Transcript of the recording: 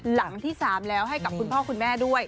หลังที่๓แล้วให้กับคุณพ่อคุณแม่ด้วย